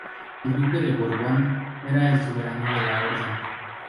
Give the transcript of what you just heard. El duque de Borbón era el soberano de la orden.